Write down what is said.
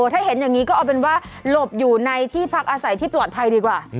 ถ้าเห็นอย่างนี้ก็เอาเป็นว่าหลบอยู่ในที่พักอาศัยที่ปลอดภัยดีกว่า